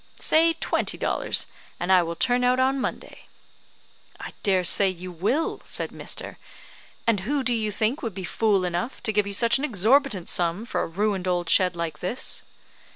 "Say twenty dollars, and I will turn out on Monday." "I dare say you will," said Mr. , "and who do you think would be fool enough to give you such an exorbitant sum for a ruined old shed like this?"